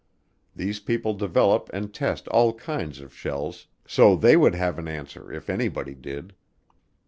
These people develop and test all kinds of shells so they would have an answer if anybody did.